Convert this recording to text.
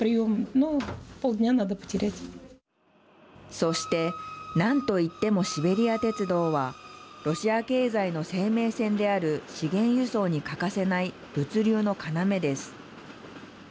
そしてなんといってもシベリア鉄道はロシア経済の生命線である資源輸送に欠かせない物流の要です。